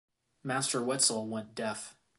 Master Wetzel went deaf.